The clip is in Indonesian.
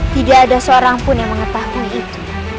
tidak ada seorang pun yang mengetahui itu